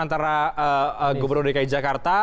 antara gubernur dki jakarta